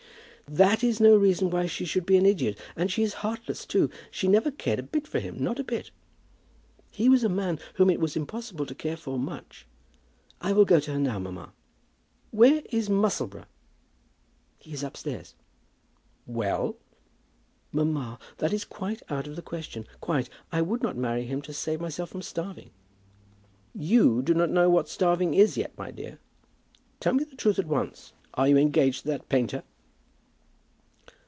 "That is no reason why she should be an idiot; and she is heartless too. She never cared a bit for him; not a bit." "He was a man whom it was impossible to care for much. I will go to her now, mamma." "Where is Musselboro?" "He is upstairs." "Well?" "Mamma, that is quite out of the question. Quite. I would not marry him to save myself from starving." "You do not know what starving is yet, my dear. Tell me the truth at once. Are you engaged to that painter?"